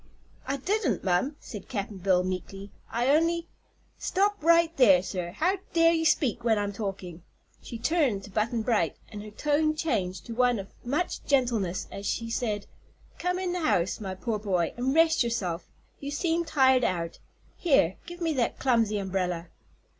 "I didn't, mum," said Cap'n Bill, meekly, "I on'y " "Stop right there, sir! How dare you speak when I'm talking?" She turned to Button Bright and her tone changed to one of much gentleness as she said: "Come in the house, my poor boy, an' rest yourself. You seem tired out. Here, give me that clumsy umbrella."